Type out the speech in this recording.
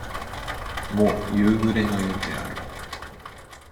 もう、夕暮れのようである。